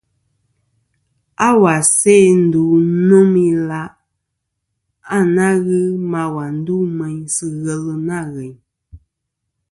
À, wa n-se ndu nô mɨ ilaʼ a nà ghɨ ma wà ndu meyn sɨ ghelɨ nâ ghèyn.